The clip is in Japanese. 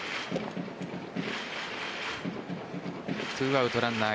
２アウトランナー